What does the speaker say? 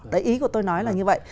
đấy ý của tôi nói là như vậy